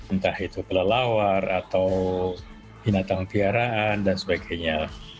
entah itu kelelawar atau binatang piaraan dan sebagainya